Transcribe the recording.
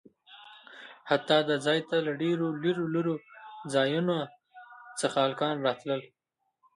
حتا د ځاى ته له ډېرو لرو لرو ځايونه څخه هلکان راتلل.